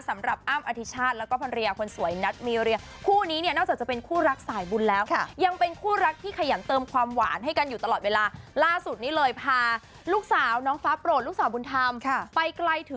สำหรับอ้ามอธิชชาติแล้วก็พรรยาคนสวยนัดมิ